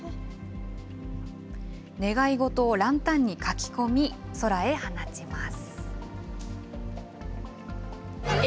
願い事をランタンに書き込み、空へ放ちます。